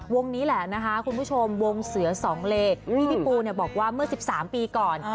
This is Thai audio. วงนี้แหละนะคะคุณผู้ชมวงเสือสองเลคุณผู้ชมบอกว่าเมื่อ๑๓ปีก่อน